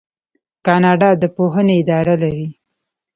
کاناډا د پوهنې اداره لري.